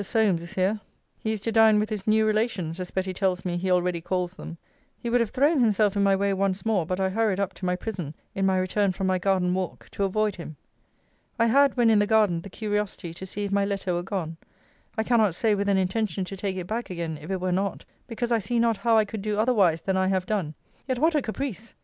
Solmes is here. He is to dine with his new relations, as Betty tells me he already calls them. He would have thrown himself in my way once more: but I hurried up to my prison, in my return from my garden walk, to avoid him. I had, when in the garden, the curiosity to see if my letter were gone: I cannot say with an intention to take it back again if it were not, because I see not how I could do otherwise than I have done; yet, what a caprice!